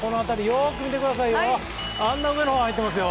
よく見てくださいよ。